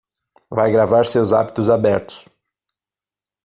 Vai gravar seus hábitos abertos